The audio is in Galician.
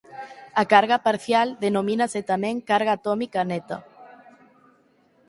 A carga parcial denomínase tamén carga atómica neta.